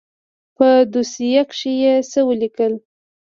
په دوسيه کښې يې څه وليکل.